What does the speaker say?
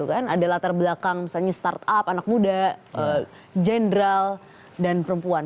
ada latar belakang misalnya start up anak muda jendral dan perempuan